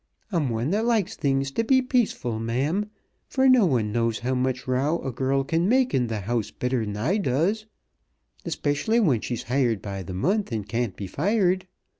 I'm one that likes things t' be peaceful, ma'am, for no one knows how much row a girrl can make in th' house better 'n than I does, especially when she's hired by th' month an' can't be fired.